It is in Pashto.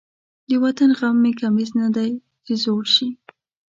د وطن غم مې کمیس نه دی چې زوړ شي.